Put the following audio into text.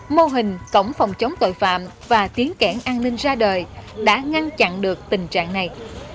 mô hình cổng phòng chống tội phạm và tiến cảnh an ninh ra đời đã ngăn chặn được tình trạng này